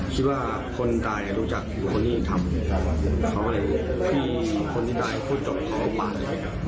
คิดว่าคนตายรู้จักคนที่ทำเขาเลยพี่คนที่ตายพูดจบเขาก็มาเลยครับ